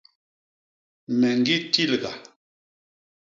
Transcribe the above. Me ñgi tilga.